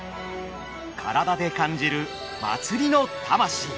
体で感じる祭りの魂。